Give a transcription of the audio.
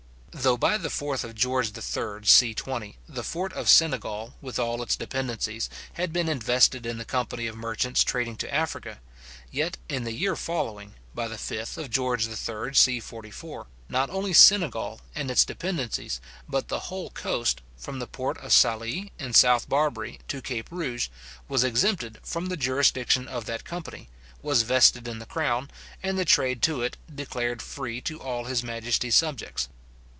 Though by the 4th of George III. c.20, the fort of Senegal, with all its dependencies, had been invested in the company of merchants trading to Africa, yet, in the year following (by the 5th of George III. c.44), not only Senegal and its dependencies, but the whole coast, from the port of Sallee, in South Barbary, to Cape Rouge, was exempted from the jurisdiction of that company, was vested in the crown, and the trade to it declared free to all his majesty's subjects.